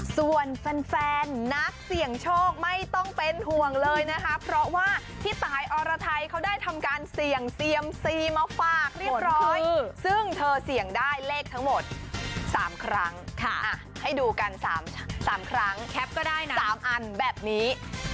ส่วนแฟนนักเสี่ยงโชคไม่ต้องเป็นห่วงเลยนะคะเพราะว่าพี่ตายอรไทยเขาได้ทำการเสี่ยงเซียมซีมาฝากเรียบร้อยซึ่งเธอเสี่ยงได้เลขทั้งหมด๓ครั้งให้ดูกัน๓ครั้งแคปก็ได้นะ๓อันแบบนี้